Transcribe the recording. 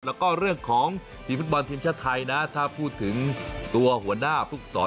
แล้วก็เรื่องของทีมฟุตบอลทีมชาติไทยนะถ้าพูดถึงตัวหัวหน้าภูกษร